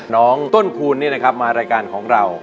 น้องต้นคูณนี่นะครับมารายการของเรา